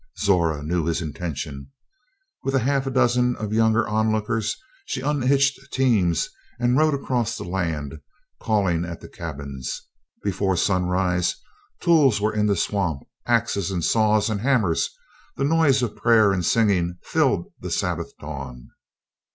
Zora knew his intention. With a half dozen of younger onlookers she unhitched teams and rode across the land, calling at the cabins. Before sunrise, tools were in the swamp, axes and saws and hammers. The noise of prayer and singing filled the Sabbath dawn.